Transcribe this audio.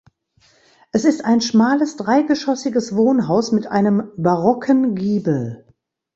Es ist ein schmales dreigeschossiges Wohnhaus mit einem barocken Giebel.